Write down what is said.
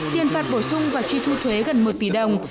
tiền phạt bổ sung và truy thu thuế gần một tỷ đồng